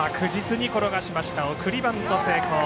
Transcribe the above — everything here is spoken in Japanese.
送りバント成功。